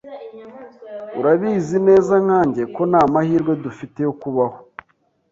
Urabizi neza nkanjye ko nta mahirwe dufite yo kubaho.